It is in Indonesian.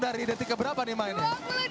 dari detik keberapa nih mainnya